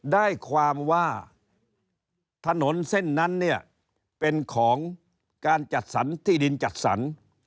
ได้ความว่าถนนเส้นนั้นเนี่ยเป็นของการจัดสรรที่ดินจัดสรร